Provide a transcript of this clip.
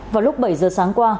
vào lúc bảy giờ sáng qua